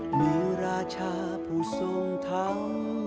เหมือนราชาผู้ทรงเทา